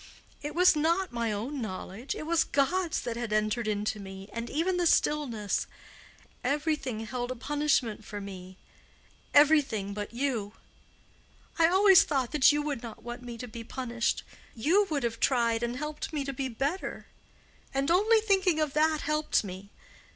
—it was not my own knowledge, it was God's that had entered into me, and even the stillness—everything held a punishment for me—everything but you. I always thought that you would not want me to be punished—you would have tried and helped me to be better. And only thinking of that helped me.